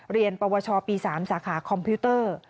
ปวชปี๓สาขาคอมพิวเตอร์